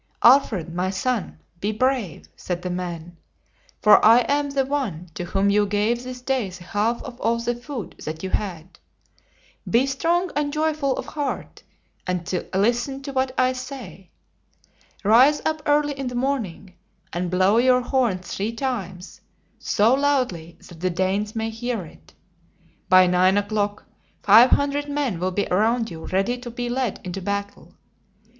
"Alfred, my son, be brave," said the man; "for I am the one to whom you gave this day the half of all the food that you had. Be strong and joyful of heart, and listen to what I say. Rise up early in the morning and blow your horn three times, so loudly that the Danes may hear it. By nine o'clock, five hundred men will be around you ready to be led into battle.